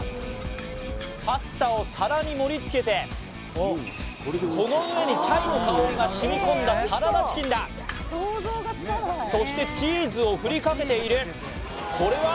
パスタを皿に盛りつけてその上にチャイの香りがしみこんだサラダチキンだそしてチーズを振りかけているこれは？